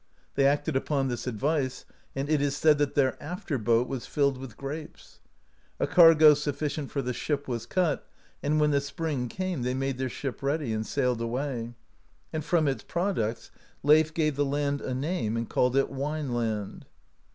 They acted upon this advice, and it is said that their after boat was filled with grapes. A cargo suffi cient for the ship was cut, and when the spring came they made their ship ready, and sailed away; and from its products Leif gave the land a name, and called it Wineland.